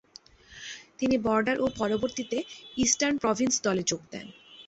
তিনি বর্ডার ও পরবর্তীতে ইস্টার্ন প্রভিন্স দলে যোগ দেন।